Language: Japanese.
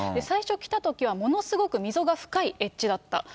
最初来たときは、ものすごく溝が深いエッジだった。